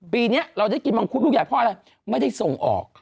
ปีนี้เราได้กินมังคุดลูกใหญ่เพราะอะไรไม่ได้ส่งออก